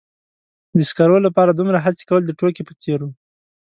د سکرو لپاره دومره هڅې کول د ټوکې په څیر و.